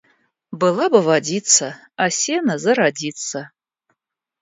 Была бы водица, а сено зародится.